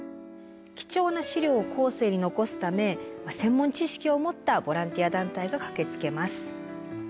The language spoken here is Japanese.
貴重な資料を後世に残すため専門知識を持ったボランティア団体が駆けつけます。